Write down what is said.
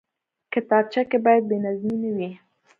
کتابچه کې باید بېنظمي نه وي